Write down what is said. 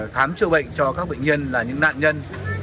khám chữa bệnh cho các bệnh nhân là những nạn nhân